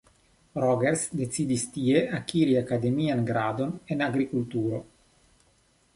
Rogers decidis tie akiri akademian gradon en agrikulturo.